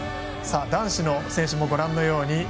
男子の選手もご覧のように。